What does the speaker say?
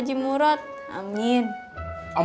terima kasih pak